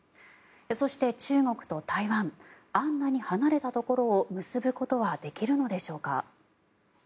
そして、中国と台湾あんなに離れたところを結ぶことはできるのでしょうか。